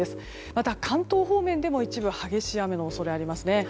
また関東方面でも、一部激しい雨の恐れがありますね。